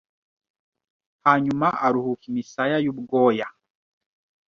Hanyuma aruhuka imisaya yubwoya